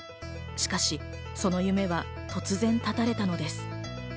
しかしその夢は突然、断たれたのです。